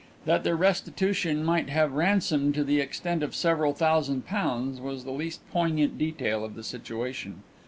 That their restitution might involve ransom to the extent of several thousand pounds was the least poignant detail of the situation.